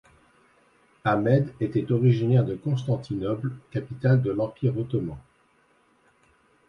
Ahmed était originaire de Constantinople, capitale de l'Empire ottoman.